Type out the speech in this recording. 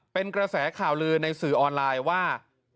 เป็นกระแสข่าวลือในสื่อออนไลน์ว่า